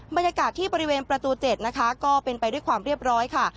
บรรยากาศที่บริเวณประตู๗นะคะก็เป็นไปด้วยความเรียบร้อยค่ะ